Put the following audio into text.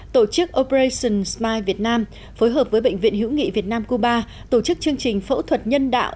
tổ chức operation smile việt nam phối hợp với bệnh viện hữu nghị việt nam cuba tổ chức chương trình phẫu thuật nhân đạo